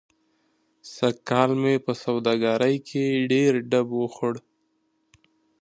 سږ کال مې په سوادګرۍ کې ډېر ډب و خوړ.